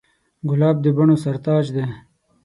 ګلاب د بڼو سر تاج دی.